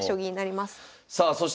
さあそして